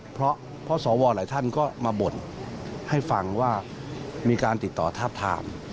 เพราะสวหลายท่านก็มาบ่นให้ฟังว่ามีการติดต่อทาบทาม